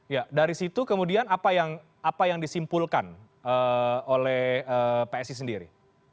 ya dari situ kemudian apa yang disimpulkan oleh psi sendiri